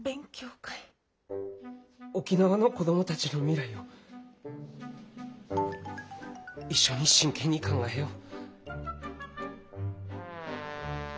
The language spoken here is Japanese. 沖縄の子供たちの未来を一緒に真剣に考えよう。